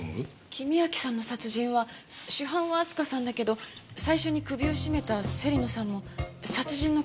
公昭さんの殺人は主犯は明日香さんだけど最初に首を絞めた芹野さんも殺人の共同正犯。